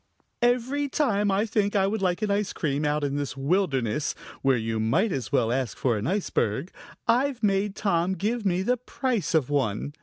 Every time I think I would like an ice cream, out in this wilderness, where you might as well ask for an iceberg, I've made Tom give me the price of one.